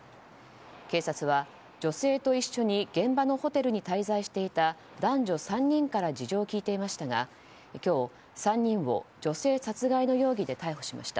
警察は女性と一緒に現場のホテルに滞在していた男女３人から事情を聴いていましたが今日、３人を女性殺害の容疑で逮捕しました。